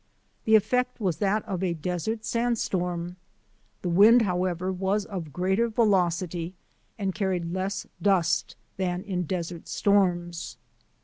The effect was that of a des ert sand storm; the wind, however, was of greater velocity and carried less dust than in desert storms.